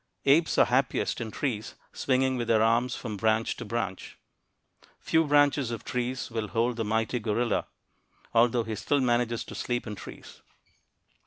Apes are happiest in trees, swinging with their arms from branch to branch. Few branches of trees will hold the mighty gorilla, although he still manages to sleep in trees.